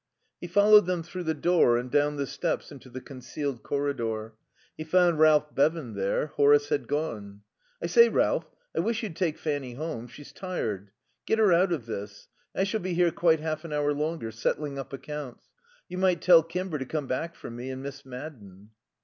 He followed them through the door and down the steps into the concealed corridor. He found Ralph Bevan there. Horace had gone. "I say, Ralph, I wish you'd take Fanny home. She's tired. Get her out of this. I shall be here quite half an hour longer; settling up accounts. You might tell Kimber to come back for me and Miss Madden."